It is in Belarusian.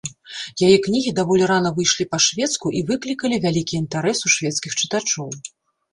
Яе кнігі даволі рана выйшлі па-шведску і выклікалі вялікі інтарэс у шведскіх чытачоў.